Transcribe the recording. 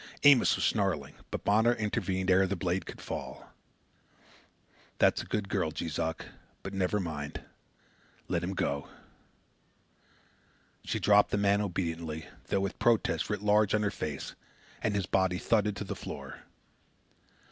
Amos was snarling; but Bonner intervened ere the blade could fall. "That's a good girl, Jees Uck. But never mind. Let him go!" She dropped the man obediently, though with protest writ large on her face; and his body thudded to the floor.